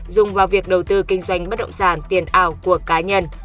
dùng vào việc đầu tư kinh doanh bất động sản tiền ảo của cá nhân